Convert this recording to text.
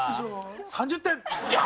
３０点。